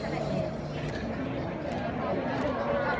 มันเป็นสิ่งที่จะให้ทุกคนรู้สึกว่า